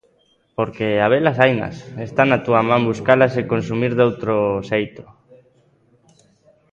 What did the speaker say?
Porque habelas, hainas, está na túa man buscalas e consumir doutro xeito.